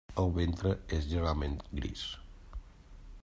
El ventre és generalment gris.